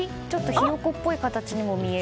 ひよこっぽい形にも見える。